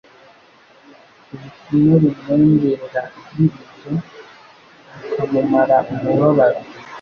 ubutumwa bumwongerera ibyiringiro bukamumara umubabaro.